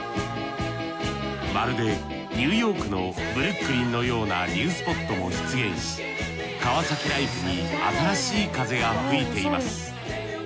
まるでニューヨークのブルックリンのようなニュースポットも出現し川崎ライフに新しい風が吹いています。